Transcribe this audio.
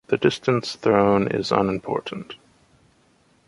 The distance thrown is unimportant.